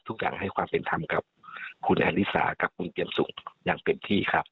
ทุกอย่างให้ความเป็นธรรมกับคุณแอลิสากับคุณเจียมสุขอย่างเต็มที่ครับ